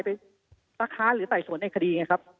ไปประค้าหรือไต่สวนในคดีไงครับ